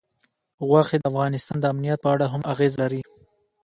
غوښې د افغانستان د امنیت په اړه هم اغېز لري.